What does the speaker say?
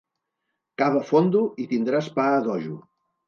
Cava fondo i tindràs pa a dojo.